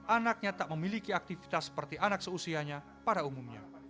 anaknya tak memiliki aktivitas seperti anak seusianya pada umumnya